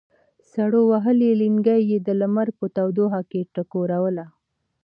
سړو وهلي لېنګي یې د لمر په تودوخه کې ټکورول.